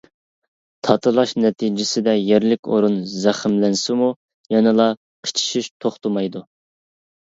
تاتىلاش نەتىجىسىدە يەرلىك ئورۇن زەخىملەنسىمۇ، يەنىلا قىچىشىش توختىمايدۇ.